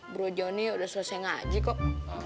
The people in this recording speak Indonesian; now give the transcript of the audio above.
bro joni udah selesai ngaji kok